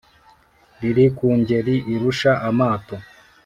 Riri ku ngeri irushya amato